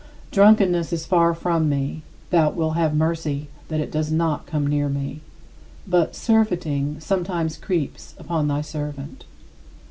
" Drunkenness is far from me. Thou wilt have mercy that it does not come near me. But "surfeiting" sometimes creeps upon thy servant.